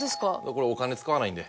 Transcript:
これお金使わないんで。